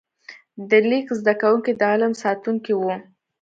د لیک زده کوونکي د علم ساتونکي وو.